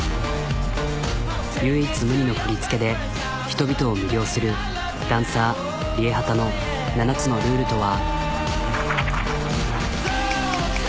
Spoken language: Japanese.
唯一無二の振り付けで人々を魅了するダンサーＲＩＥＨＡＴＡの７つのルールとは。